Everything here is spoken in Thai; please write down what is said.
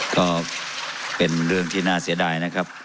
ก็เป็นเรื่องที่น่าเสียดายนะครับ